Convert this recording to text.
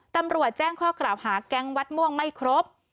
ตำรวจแจ้งข้อกล่าวหาแก๊งวัดม่วงไม่ครบ